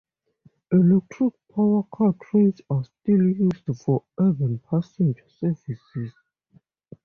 Electric power car trains are still used for urban passenger services.